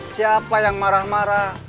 siapa yang marah marah